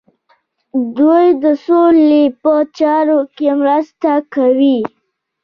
دوی د سولې په چارو کې مرسته کوي.